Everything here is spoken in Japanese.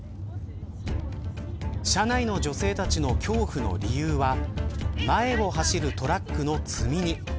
車内の女性たちの恐怖の理由は前を走るトラックの積み荷。